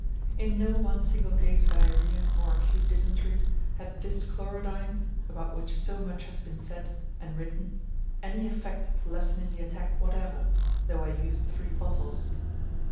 In no one single case of diarrhoea or acute dysentery had this "Chlorodyne," about which so much has been said, and written, any effect of lessening the attack whatever, though I used three bottles.